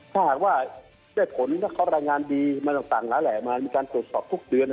นี่การขอบคุณดำเนินการบทมกรรมการใช้สารว่าอะไรบ้างนะครับ